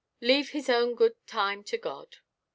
Leave His own good time to God."